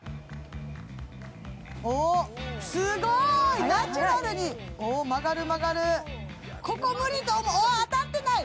おっすごいナチュラルにおっ曲がる曲がるここ無理と思うおっ当たってない